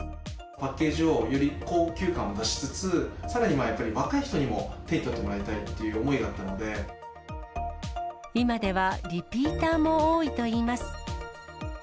パッケージをより高級感を出しつつ、さらにやっぱり若い人にも手に取ってもらいたいっていう思いがあ今では、リピーターも多いといいます。